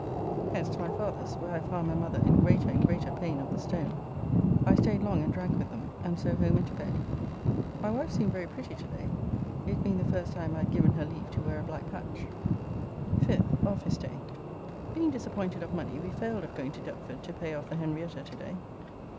Hence to my father's, where I found my mother in greater and greater pain of the stone. I staid long and drank with them, and so home and to bed. My wife seemed very pretty to day, it being the first time I had given her leave to wear a black patch. 5th (Office day). Being disappointed of money, we failed of going to Deptford to pay off the Henrietta to day.